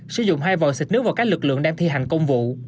sử dụng hai vò xịt nước vào các lực lượng đang thi hành công vụ